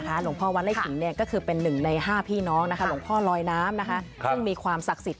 ก็เรื่องของการงานขอแล้วจะสมหวัง